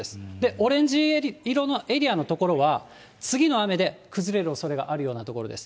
オレンジ色のエリアの所は、次の雨で崩れるおそれがあるような所です。